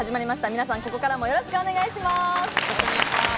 皆さんここからもよろしくお願いします。